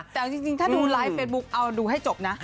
แต่เอาจริงถ้าดูไลฟ์เฟซบุ๊คเอาดูให้จบนะ